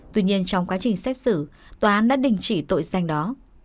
tuy nhiên trong quá trình xét xử tòa án đã đình chỉ tội danh đó